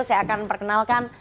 saya akan perkenalkan